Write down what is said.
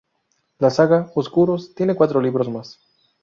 La saga "Oscuros" tiene cuatro libros más.